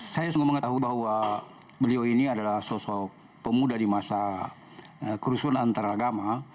saya sungguh mengetahui bahwa beliau ini adalah sosok pemuda di masa kerusuhan antaragama